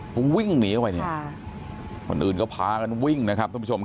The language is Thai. ผมวิ่งหนีเข้าไปเนี่ยคนอื่นก็พากันวิ่งนะครับท่านผู้ชมครับ